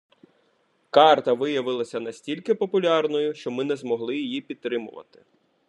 Карта виявилася настільки популярною, що ми не змогли її підтримувати.